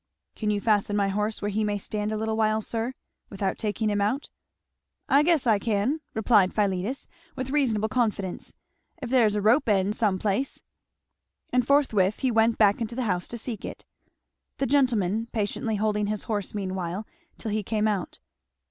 "Can you fasten my horse where he may stand a little while, sir? without taking him out?" "I guess I can," replied Philetus, with reasonable confidence, "if there's a rope's end some place " And forthwith he went back into the house to seek it. The gentleman patiently holding his horse meanwhile, till he came out.